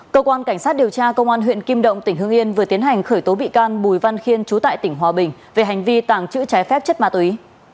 cơ quan cảnh sát điều tra công an huyện kim động tỉnh hương yên vừa tiến hành khởi tố bị can bùi văn khiên trú tại tỉnh hòa bình về hành vi tàng trữ trái phép chất ma túy